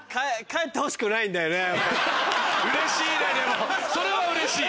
うれしいねでもそれはうれしい。